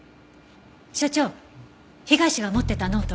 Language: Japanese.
所長被害者が持ってたノートは？